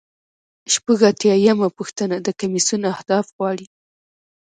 شپږ اتیا یمه پوښتنه د کمیسیون اهداف غواړي.